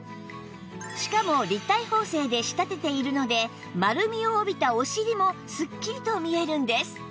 しかも立体縫製で仕立てているので丸みを帯びたお尻もすっきりと見えるんです